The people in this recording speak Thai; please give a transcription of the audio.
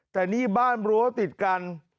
แต่นี่บ้านรั้วติดกัน